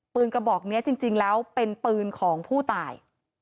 กระบอกนี้จริงแล้วเป็นปืนของผู้ตาย